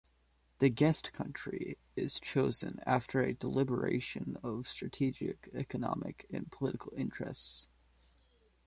The guest country is chosen after a deliberation of strategic, economic and political interests.